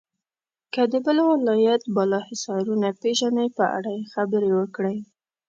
که د بل ولایت بالا حصارونه پیژنئ په اړه یې خبرې وکړئ.